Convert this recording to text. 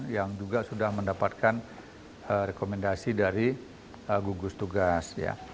yang juga sudah mendapatkan rekomendasi dari gugus tugas